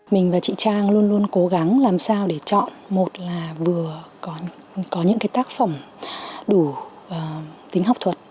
mình và chị trang luôn luôn cố gắng làm sao để chọn một là vừa có những cái tác phẩm đủ tính học thuật